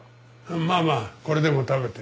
まあまあこれでも食べて。